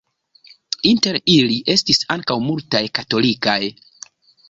Inter ili estis ankaŭ multaj katolikaj.